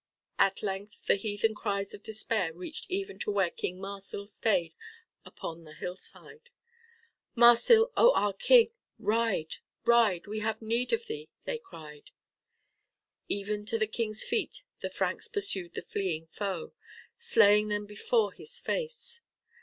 At length the heathen cries of despair reached even to where King Marsil stayed upon the hillside. "Marsil, oh our King! ride, ride, we have need of thee!" they cried. Even to the King's feet the Franks pursued the fleeing foe, slaying them before his face.